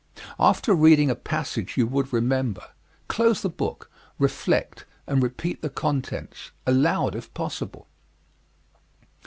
After reading a passage you would remember, close the book, reflect, and repeat the contents aloud, if possible.